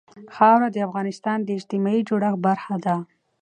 خاوره د افغانستان د اجتماعي جوړښت برخه ده.